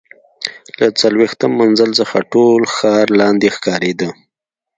له څلوېښتم منزل څخه ټول ښار لاندې ښکارېده.